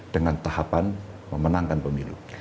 dengan tahapan memenangkan pemilu